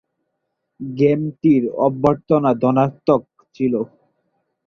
গেমটির অভ্যর্থনা ধনাত্মক ছিল।